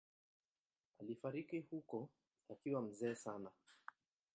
Alifariki huko akiwa mzee sana.